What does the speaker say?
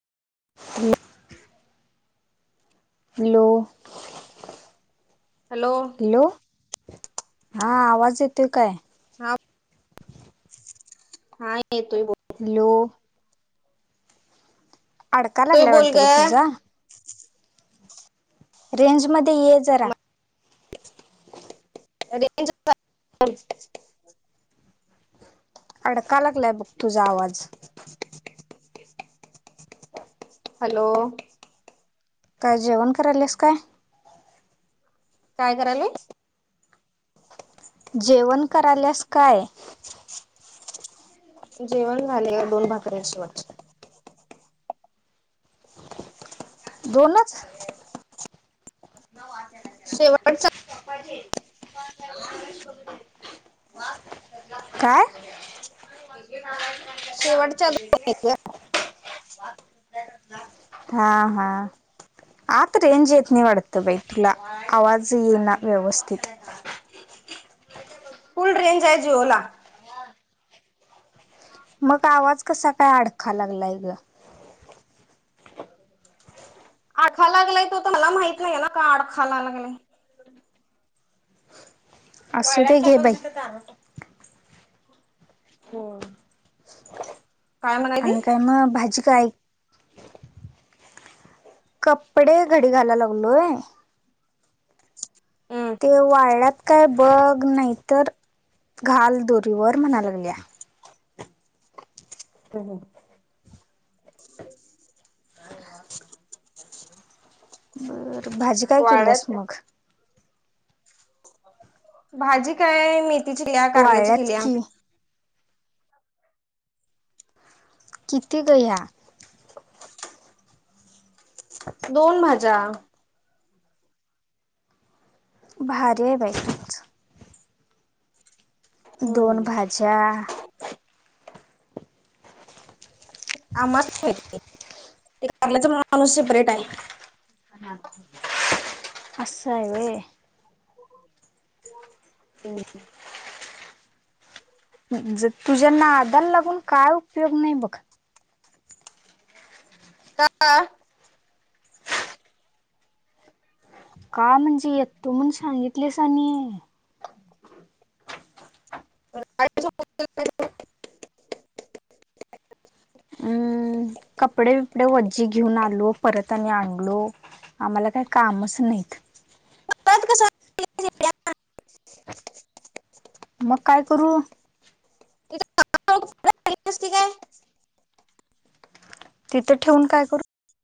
हम [inaudible] hello hello hello, हा आवाज येतोय काय? हा, हा येतोय बोल. हॅलो अडका बोलतोय लागलाय बोल वाटतं ग तुझा. रेंजमध्ये ये जरा. रेंज [inaudible] अडका लागलाय बघ तुझा आवाज. हॅलो काय जेवण करायलिस काय? काय करायली? जेवण कराल्यास काय? [inaudible] जेवण झालेया दोन भाकऱ्या शेवटच्या. दोनच नवाच्याला शेव चपातीय [unintelligible] काय? शेवटच्या दोन आहेत ग. [inaudible] हा हा आत रेंज येत नई वाट -त बाई तुला, आवाज येई ना व्यवस्थित. फुल रेंजाय जिओला मग आवाज कसा काय अडखा लागलाय ग. आडखा लागलाय तो तर मला माहत नाही आहे ना का आडखाला लागलाय. असु दे घे बाई. होय. आणि काय म भाजी काय कपडे घडी घालाय लागलोय. ते हम्म वाळ्लात काय बघ नाही तर घाल दोरीवर म्हणा लागल्या. [unintelligible] बरं भाजी काय वाळ्यात केल्यास मग? भाजी काय मेथीची केल्या कारल्याची वाळल्यात केल्या. की किती गं ह्या? दोन भाज्या. भारी आहे बाई तु. दोन भाज्या [unintelligible] ते कारल्याच माणूस सेपरेट आहे. हा असं हाय व्हय. हम्म. ज तुझ्या नादान लागून काय उपयोग नाही बघ. का का म्हणजे येतो म्हणून सांगितलेस आणि [unintelligible] अं हा कपडे बीपडे वज्जी घेऊन आलो परत आणि आणलो. आम्हाला काय कामच नाहीत. [unintelligible] [unintelligible] मग काय करू? [unintelligible] असती काय? तिथं ठेवून काय करू? ह